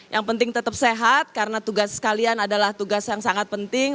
yang penting tetap sehat karena tugas kalian adalah tugas yang sangat penting